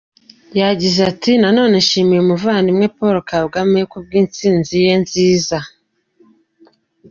Yagize ati “Na none nshimiye umuvandimwe Paul Kagame kubw’intsinzi ye nziza.